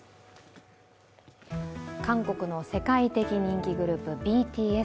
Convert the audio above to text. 韓国の世界的人気グループ・ＢＴＳ。